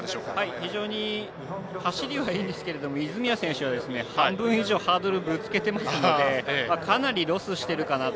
非常に走りはいいんですけど泉谷選手は半分以上ハードルぶつけてますのでかなりロスしてるかなと。